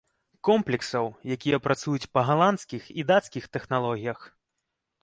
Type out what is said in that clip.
Комплексаў, якія працуюць па галандскіх і дацкіх тэхналогіях.